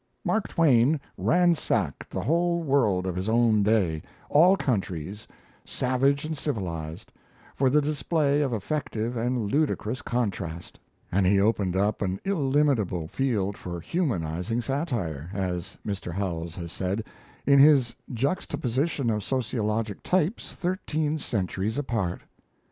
Mark Twain ransacked the whole world of his own day, all countries, savage and civilized, for the display of effective and ludicrous contrast; and he opened up an illimitable field for humanizing satire, as Mr. Howells has said, in his juxtaposition of sociologic types thirteen centuries apart.